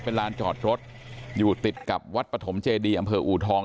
เป็นลานจอดรถอยู่ติดกับวัดปฐมเจดีอำเภออูทอง